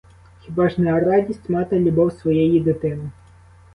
Хіба ж не радість мати любов своєї дитини?